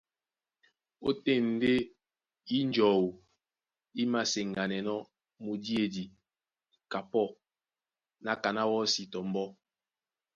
Ótên ndé ínjɔu í māseŋganɛnɔ́ mudíedi kapɔ́ kaná wɔ́si tɔ mbɔ́.